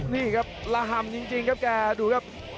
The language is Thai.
นี่ครับละห่ำจริงครับแกดูครับ